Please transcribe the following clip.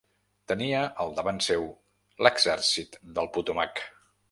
Tenia al davant seu l'Exèrcit del Potomac.